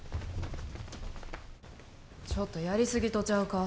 ちょっとやりすぎとちゃうか？